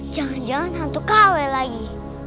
jangan jangan hantu kw lagi